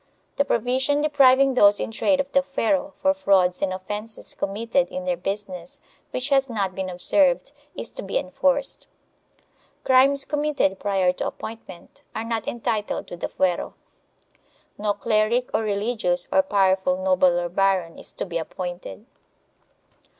The provision depriving those in trade of the fuero, for frauds and offences committed in their business, which has not been observed, is to be enforced. Crimes committed prior to appointment are not entitled to the fuero. No cleric or religious or powerful noble or baron is to be appointed.